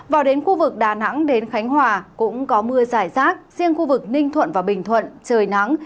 vào đến khu vực đà nẵng đến khánh hòa cũng có mưa giải rác riêng khu vực ninh thuận và bình thuận trời nắng